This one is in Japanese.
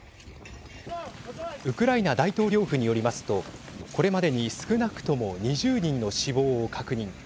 ウクライナ大統領府によりますとこれまでに少なくとも２０人の死亡を確認。